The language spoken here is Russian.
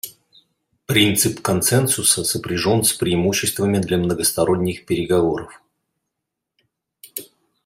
Принцип консенсуса сопряжен с преимуществами для многосторонних переговоров.